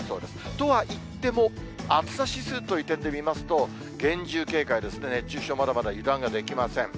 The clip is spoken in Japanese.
とはいっても、暑さ指数という点で見てみますと、厳重警戒ですね、熱中症、まだまだ油断ができません。